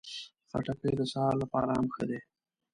خټکی د سهار لپاره هم ښه ده.